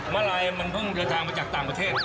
อะไรมันเพิ่งเดินทางมาจากต่างประเทศ